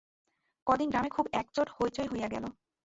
ক দিন গ্রামে খুব একচোট হৈচৈ হইয়া গেল।